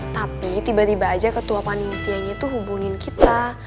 tapi tiba tiba aja ketua panintianya tuh hubungin kita